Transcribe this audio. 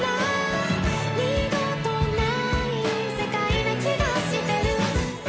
「二度とない世界な気がしてる」